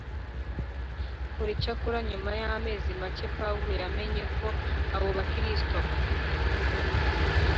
Kor icyakora nyuma y amezi make pawulo yamenye ko abo bakristo